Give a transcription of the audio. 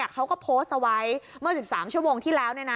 เขาก็โพสต์เอาไว้เมื่อ๑๓ชั่วโมงที่แล้ว